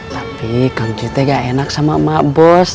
tapi kangen cuy tuh gak enak sama emak bos